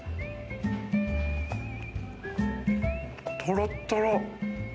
とろっとろ。